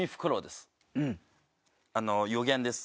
予言です